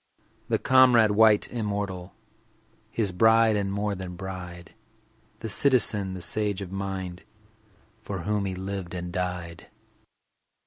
The comrade, white, immortal, His bride, and more than bride— The citizen, the sage of mind, For whom he lived and died.